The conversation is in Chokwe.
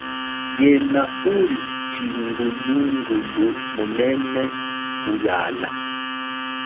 Yena uli tshikulungulu munene kuhiana.